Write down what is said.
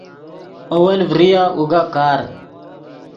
اول فریآ اوگا کار